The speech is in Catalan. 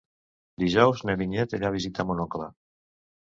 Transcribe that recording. Dijous na Vinyet irà a visitar mon oncle.